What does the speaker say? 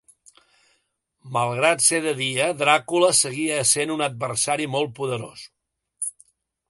Malgrat ser de dia, Dràcula seguia essent un adversari molt poderós.